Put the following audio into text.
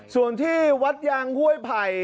ส่วนที่วัดยางห้วยไผ่